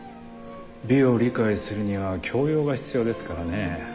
美を理解するには教養が必要ですからね。